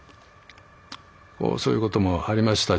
そういうこともありましたし。